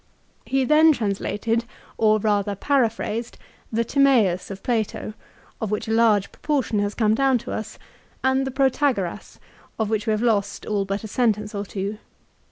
He then translated, or rather paraphrased 172 LIFE OF CICERO. the " Timseus " of Plato, of which a large proportion has come down to us, and the " Protagoras " of which we have lost all but a sentence or two.